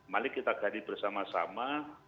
mari kita gali bersama sama